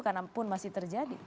karena pun masih terjadi